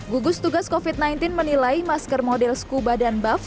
gugus tugas covid sembilan belas menilai masker model skuba dan buff